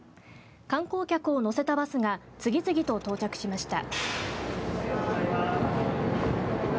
観光客を乗せたバスが次々と到着しました。